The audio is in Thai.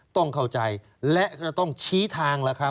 ต้องเข้าใจและก็ต้องชี้ทาง